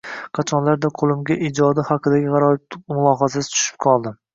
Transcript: Qachonlardir qo’limga ijodi haqidagi g’aroyib mulohazasi tushib qoldi.